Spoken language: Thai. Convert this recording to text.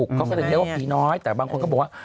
เขาสร้างเร็วพี่น้อยแต่บางคนก็บอกว่า